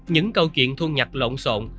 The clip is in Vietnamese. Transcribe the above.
những câu chuyện thu nhặt lộn xộn